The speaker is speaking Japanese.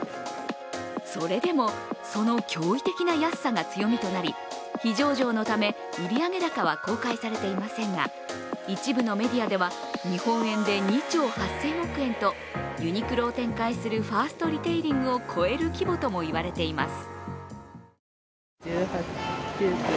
それでも、その驚異的な安さが強みとなり、非上場のため売上高は公開されていませんが一部のメディアでは、日本円で２兆８０００億円とユニクロを展開するファーストリテイリングを超える規模とも言われています。